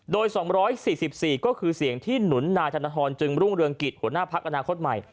โดย๒๔๔ก็คือเสียงที่หนุนนายธนทรจึงรุ่งเรืองกิจหัวหน้าพักอนาคตใหม่